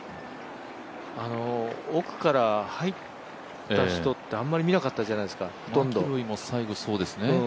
奥から入った人ってあんまり見なかったじゃないですか、マキロイも最後そうですね。